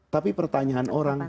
tapi pertanyaan orang